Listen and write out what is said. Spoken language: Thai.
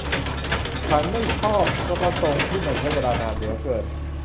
ฉันไม่ชอบก็ตรงที่มันใช้เวลานานเหลือเกิน